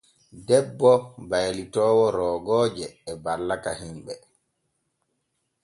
Debbo baylitoowo roogooje e ballaka himɓe.